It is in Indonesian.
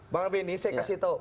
pak beni saya kasih tau